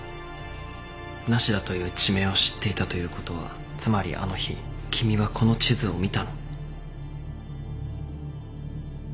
無田という地名を知っていたということはつまりあの日君はこの地図を見たの？